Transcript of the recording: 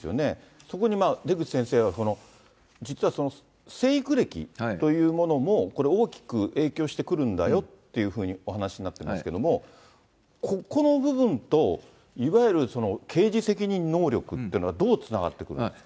そこに出口先生は実は、成育歴というものも、これ、大きく影響してくるんだよっていうふうにお話しになっているんですけれども、ここの部分と、いわゆる刑事責任能力っていうのはどうつながってくるんですか。